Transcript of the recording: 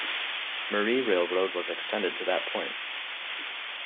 Marie Railroad was extended to that point.